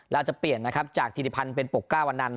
แล้วจะเปลี่ยนจากธิริพันธ์เป็นปกก้าวอนันตร์